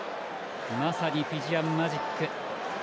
まさにフィジアンマジック。